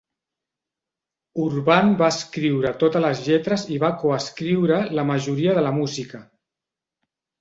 Urban va escriure totes les lletres i va coescriure la majoria de la música.